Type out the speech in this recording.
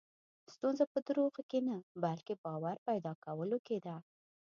ستونزه په دروغو کې نه، بلکې باور پیدا کولو کې ده.